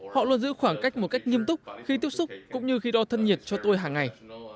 họ luôn giữ khoảng cách một cách nghiêm túc khi tiếp xúc cũng như khi đo thân nhiệt cho tôi hàng ngày